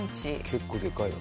結構でかいよ。